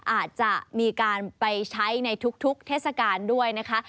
อาจจะมีการไปใช้ในทุกเทศกาลด้วยนะคะ